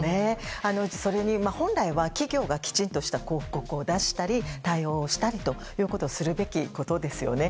それに本来は、企業がきちんとした広告を出したり対応をしたりということをするべきことですよね。